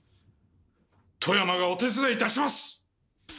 外山がお手伝いいたします！